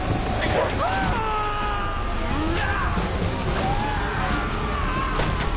・うわ！